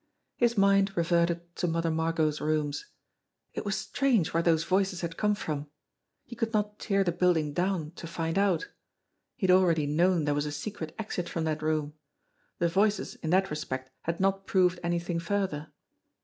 His mind reverted to Mother Margot's rooms. It was strange where those voices had come from! He could not tear the building down to find out. He had already known there was a secret exit from that room. The voices in that respect had not proved anything further.